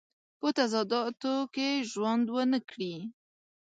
په تضاداتو کې ژوند ونه کړي.